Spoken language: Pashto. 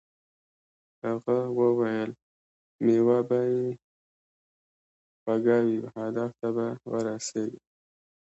هغه وویل میوه به یې خوږه وي او هدف ته به ورسیږې.